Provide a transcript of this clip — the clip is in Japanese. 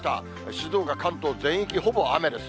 静岡、関東全域ほぼ雨です。